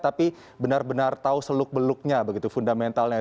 tapi benar benar tahu seluk beluknya begitu fundamentalnya